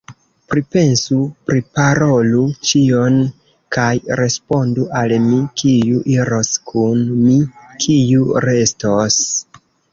Pripensu, priparolu ĉion kaj respondu al mi, kiu iros kun mi, kiu restos.